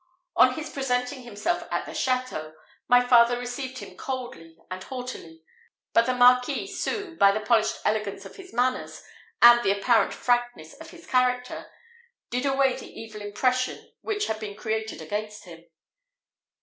On his presenting himself at the château, my father received him coldly and haughtily; but the Marquis soon, by the polished elegance of his manners, and the apparent frankness of his character, did away the evil impression which had been created against him.